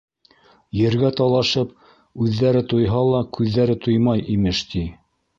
Ергә талашып, үҙҙәре туйһа ла, күҙҙәре туймай, имеш, ти.